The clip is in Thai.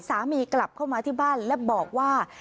กลับเข้ามาที่บ้านและบอกว่า